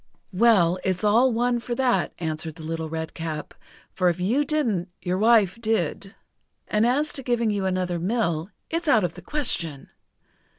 "Well, it's all one for that," answered the Little Redcap, "for if you didn't, your wife did. And as to giving you another mill, it's out of the question.